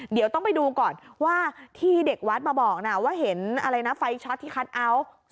เดี๋ยวต้องไปดูก่อนว่าที่เด็กวัดมาบอกนะว่าเห็นอะไรนะไฟช็อตที่คัทเอาท์